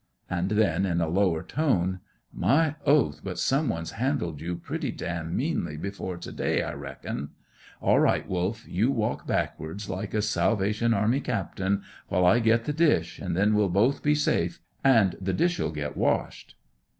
And then, in a lower tone, "My oath, but some one's handled you pretty damn meanly before to day, I reckon. All right, Wolf, you walk backwards, like a Salvation Army captain, while I get the dish, an' then we'll both be safe, an' the dish'll get washed."